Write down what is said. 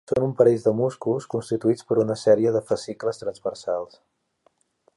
Són un parell de músculs constituïts per una sèrie de fascicles transversals.